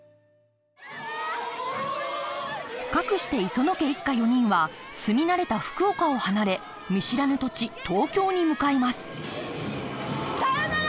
かくして磯野家一家４人は住み慣れた福岡を離れ見知らぬ土地東京に向かいますさようなら！